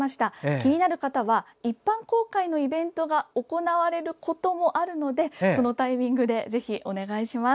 気になる方は一般公開のイベントが行われることもあるのでそのタイミングでお願いします。